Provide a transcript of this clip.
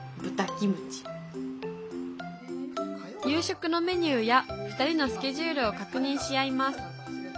夕食のメニューや２人のスケジュールを確認し合います。